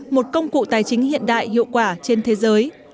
một công cụ tài chính hiện đại hiệu quả trên thế giới